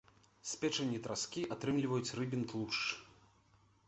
З печані траскі атрымліваюць рыбін тлушч.